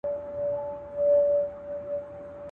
اختر پټ مېړه نه دئ.